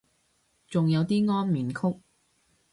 仲有啲安眠曲